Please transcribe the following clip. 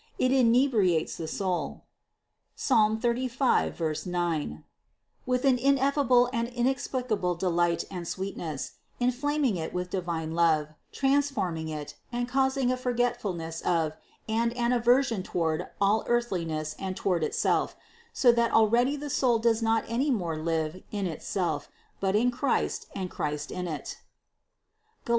3, 28), it inebriates the soul (Psalm 35, 9) with an ineffable and an inexplicable delight and sweet ness, inflaming it with divine love, transforming it and causing a forget fulness of and an aversion toward all earthliness and toward itself, so that already the soul does not any more live in itself, but in Christ and Christ in it (Gal.